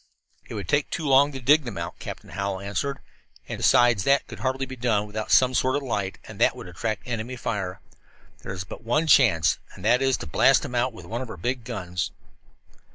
"It would take too long to dig them out," Captain Hallowell answered. "And, besides, that could hardly be done without some sort of light, and that would attract enemy fire. There is but one chance, and that is to blast them out with one of our big guns!"